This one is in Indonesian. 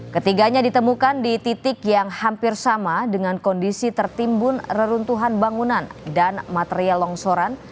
ketiganya ditemukan di titik yang hampir sama dengan kondisi tertimbun reruntuhan bangunan dan material longsoran